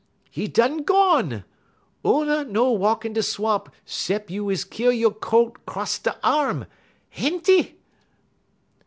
_' 'E done gone! Oona no walk in da' swamp 'cep' you is keer you' coat 'cross da' arm. Enty!"